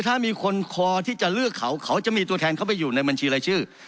ถ้ามีคนคอที่จะเลือกเขาเขาจะมีตัวแทนเข้าไปอยู่ในบัญชีรายชื่อ